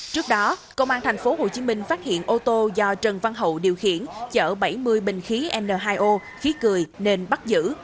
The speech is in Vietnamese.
trước đó công an thành phố hồ chí minh phát hiện ô tô do trần văn hậu điều khiển chở bảy mươi bình khí n hai o khí cười nên bắt giữ